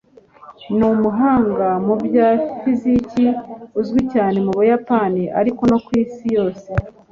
ni umuhanga mu bya fiziki uzwi cyane mu buyapani, ariko no ku isi yose